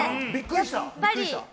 びっくりした？